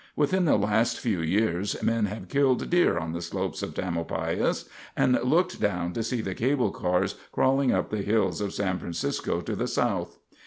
Within the last few years men have killed deer on the slopes of Tamalpais and looked down to see the cable cars crawling up the hills of San Francisco to the south.